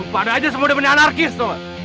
tadanya semua demennya anarkis lo mah